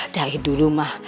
dari dulu mah